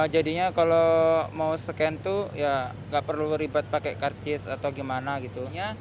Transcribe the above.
jadinya kalau mau scan tuh ya nggak perlu ribet pakai karcis atau gimana gitu